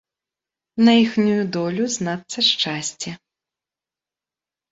На іхнюю долю, знацца, шчасце.